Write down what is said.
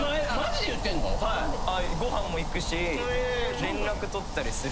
ご飯も行くし連絡取ったりするぐらい。